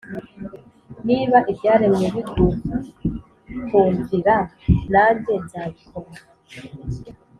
niba ibyaremwe bigukumvira, nanjye nzabikora